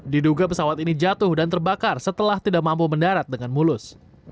diduga pesawat ini jatuh dan terbakar setelah tidak mampu mendarat dengan mulus